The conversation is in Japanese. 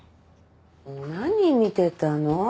もう何見てたの？